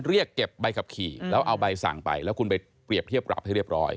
เรียกเก็บใบขับขี่แล้วเอาใบสั่งไปแล้วคุณไปเปรียบเทียบปรับให้เรียบร้อย